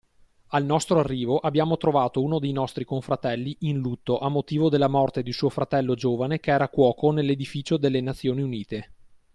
Al nostro arrivo abbiamo trovato uno dei nostri confratelli in lutto a motivo della morte di suo fratello giovane che era cuoco nell’edificio delle Nazioni Unite.